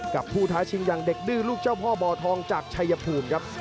กับผู้ท้าชิงอย่างเด็กดื้อลูกเจ้าพ่อบ่อทองจากชายภูมิครับ